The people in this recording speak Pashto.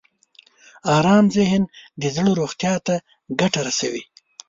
ارام ذهن د زړه روغتیا ته ګټه رسوي.